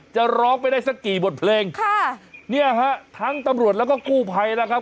จะร้องไปได้สักกี่บทเพลงค่ะเนี่ยฮะทั้งตำรวจแล้วก็กู้ภัยนะครับ